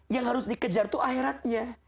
yang harus dikejar itu akhiratnya